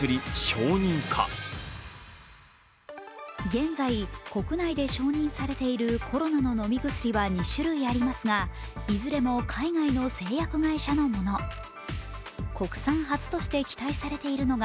現在、国内で承認されているコロナの飲み薬は２種類ありますがいずれも海外の製薬会社のもの。